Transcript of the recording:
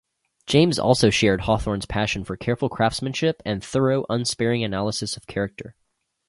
James also shared Hawthorne's passion for careful craftmanship and thorough, unsparing analysis of character.